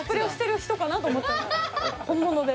本物で。